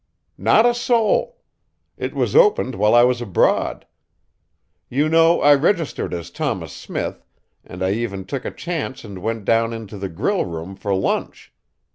"Not a soul! It was opened while I was abroad. You know I registered as Thomas Smith and I even took a chance and went down into the grill room for lunch.